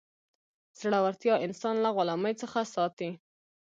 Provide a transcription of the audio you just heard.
زړورتیا انسان له غلامۍ څخه ساتي.